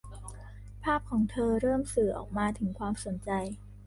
ภาพของเธอเริ่มสื่อออกมาถึงความสนใจ